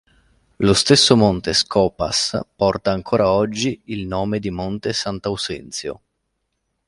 Lo stesso monte Skopas porta ancora oggi il nome di monte Sant'Aussenzio